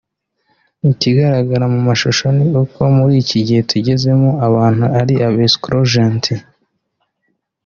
"Ikigaragara mu mashusho ni uburyo muri iki gihe tugezemo abantu ari aba escrot gentil